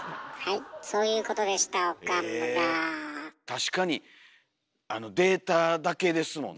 確かにあのデータだけですもんね。